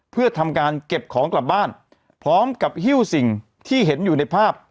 เพื่อทำการเก็บของกลับบ้านพร้อมกับฮิ้วสิ่งที่เห็นอยู่ในภาพ